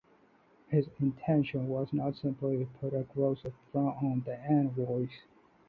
His intention was not simply to put a gross affront on the envoys.